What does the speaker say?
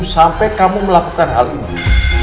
sampai kamu melakukan hal ini